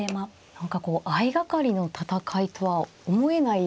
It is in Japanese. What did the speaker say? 何かこう相掛かりの戦いとは思えないような。